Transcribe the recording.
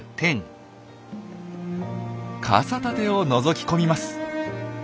傘立てをのぞき込みます。